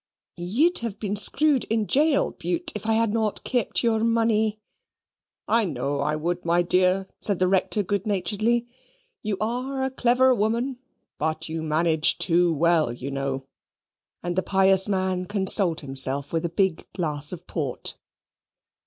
"You'd have been screwed in gaol, Bute, if I had not kept your money." "I know I would, my dear," said the Rector, good naturedly. "You ARE a clever woman, but you manage too well, you know": and the pious man consoled himself with a big glass of port.